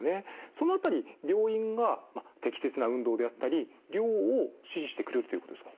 その辺り病院が適切な運動であったり量を指示してくれるということですか？